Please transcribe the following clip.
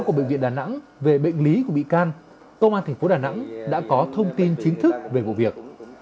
của bệnh viện đà nẵng về bệnh lý của bị can công an thành phố đà nẵng đã có thông tin chính thức về vụ việc